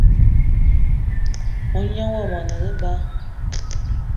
Mognan yomo a ne eba